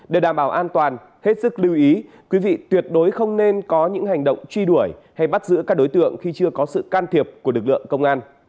để đảm bảo an toàn hết sức lưu ý quý vị tuyệt đối không nên có những hành động truy đuổi hay bắt giữ các đối tượng khi chưa có sự can thiệp của lực lượng công an